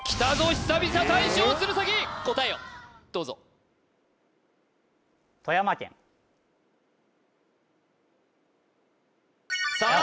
久々大将鶴崎答えをどうぞさあ